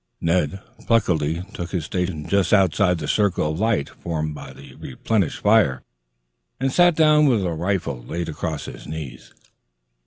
Ned pluckily took his station just outside the circle of light formed by the replenished fire, and sat down with rifle laid across his knees.